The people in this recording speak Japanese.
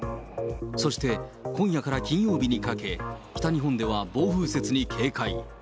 そして、今夜から金曜日にかけ、北日本では暴風雪に警戒。